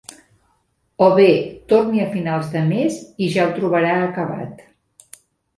O bé "Torni a finals de mes i ja ho trobarà acabat".